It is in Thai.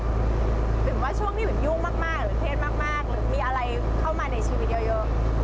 หรือว่าช่วงที่เหมือนยุ่งมากหรือเครียดมากหรือมีอะไรเข้ามาในชีวิตเยอะ